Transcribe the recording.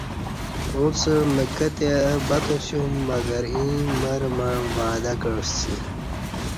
اݩڅ مکہ تے دی اہ بتا سیوم مگر ییں مرہ مع وعدہ کعسی